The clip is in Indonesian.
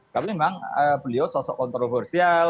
tapi memang beliau sosok kontroversial